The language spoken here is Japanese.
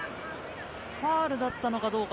ファウルだったのかどうか。